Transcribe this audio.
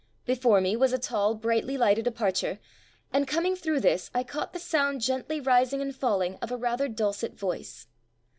Before me was a tall, brightly lighted aperture, and coming through this I caught the sound gently rising and falling of a rather dulcet voice.